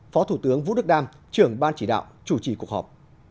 phó thủ tướng vũ đức đam trưởng ban chỉ đạo chủ trì cuộc họp